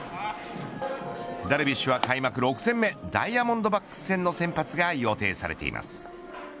ダルビッシュは開幕６戦目ダイヤモンドバックス戦の先発が予定されています。